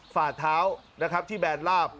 ฝ่าเท้านะครับที่แบนลาบ